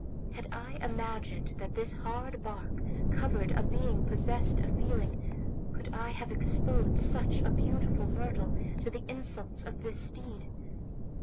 Had I imagined that this hard bark covered a being possessed of feeling, could I have exposed such a beautiful myrtle to the insults of this steed?